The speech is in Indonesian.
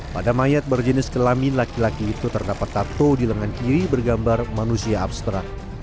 pada mayat berjenis kelamin laki laki itu terdapat tato di lengan kiri bergambar manusia abstrak